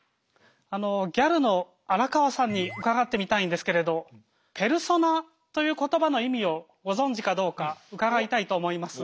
あのギャルの荒川さんに伺ってみたいんですけれど「ペルソナ」という言葉の意味をご存じかどうか伺いたいと思います。